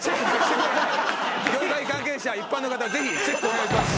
業界関係者一般の方ぜひチェックお願いします。